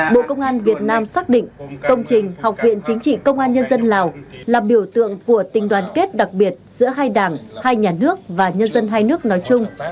bộ công an việt nam xác định công trình học viện chính trị công an nhân dân lào là biểu tượng của tình đoàn kết đặc biệt giữa hai đảng hai nhà nước và nhân dân hai nước nói chung